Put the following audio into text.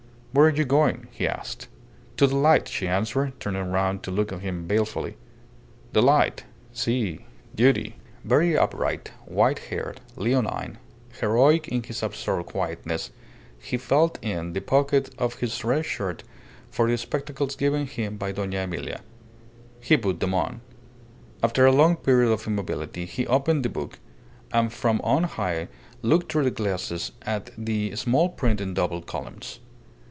"Where are you going?" he asked. "To the light," she answered, turning round to look at him balefully. "The light! Si duty." Very upright, white haired, leonine, heroic in his absorbed quietness, he felt in the pocket of his red shirt for the spectacles given him by Dona Emilia. He put them on. After a long period of immobility he opened the book, and from on high looked through the glasses at the small print in double columns.